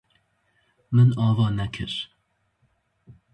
Min ava nekir.